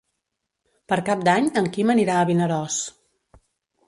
Per Cap d'Any en Quim anirà a Vinaròs.